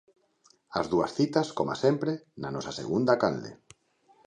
As dúas citas, coma sempre, na nosa segunda canle.